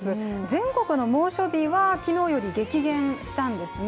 全国の猛暑日は昨日より激減したんですね。